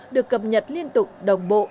được cập nhật liên tục đồng bộ